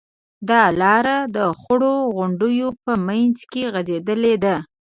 دا لاره د خړو غونډیو په منځ کې غځېدلې ده.